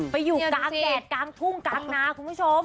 ไปอยู่กลางแดดกลางทุ่งกลางนาคุณผู้ชม